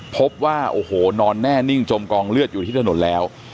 พบว่าโอ้โหนอนแน่นิ่งจมกองเลือดอยู่ที่ถนนแล้ว